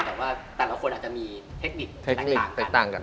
แต่ว่าแต่ละคนอาจจะมีเทคนิคแตกต่างกัน